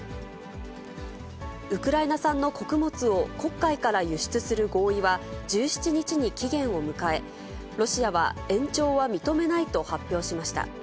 ウクライナ産の穀物を黒海から輸出する合意は、１７日に期限を迎え、ロシアは延長は認めないと発表しました。